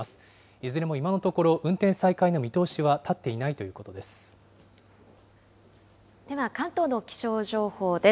いずれも今のところ、運転再開の見通しは立っていないということでは関東の気象情報です。